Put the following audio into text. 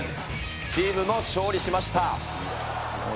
チームも勝利しました。